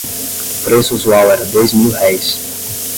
O preço usual era dois mil-réis.